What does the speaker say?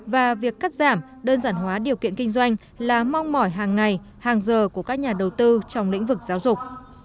và việc cắt giảm đơn giản hóa điều kiện kinh doanh là mong mỏi hàng ngày hàng giờ của các nhà đầu tư trong lĩnh vực giáo dục